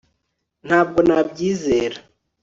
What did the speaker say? ntabwo nabyizera